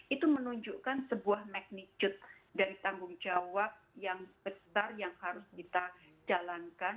itu menunjukkan sebuah magnitude dari tanggung jawab yang besar yang harus kita jalankan